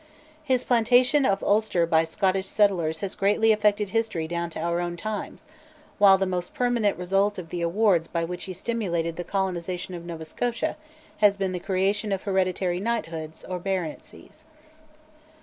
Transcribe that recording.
His plantation of Ulster by Scottish settlers has greatly affected history down to our own times, while the most permanent result of the awards by which he stimulated the colonisation of Nova Scotia has been the creation of hereditary knighthoods or baronetcies.